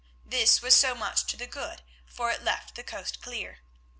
This was so much to the good, for it left the coast clear.